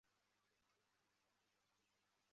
古老的街道并排。